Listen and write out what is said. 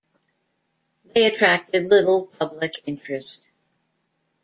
They attracted little public interest.